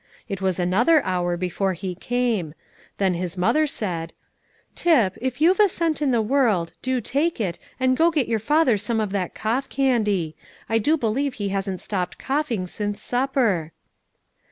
It was another hour before he came; then his mother said, "Tip, if you've a cent in the world, do take it, and go and get your father some of that cough candy. I do believe he hasn't stopped coughing since supper."